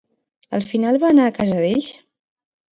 Al final va anar a casa d'ells?